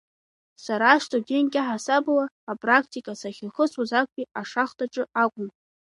Сара студентк иаҳасабала апрактика сахьахысуаз актәи ашахтаҿы акәын.